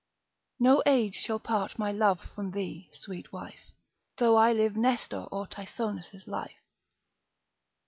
No age shall part my love from thee, sweet wife, Though I live Nestor or Tithonus' life.